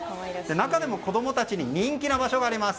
中でも子供たちに人気な場所があります。